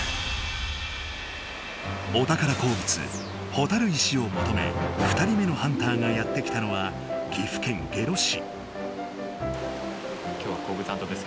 お宝鉱物ほたる石をもとめ２人目のハンターがやって来たのは岐阜県下呂市。